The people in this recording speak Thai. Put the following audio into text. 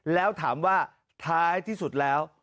แล้วถามว่าท้ายที่สุดแล้ว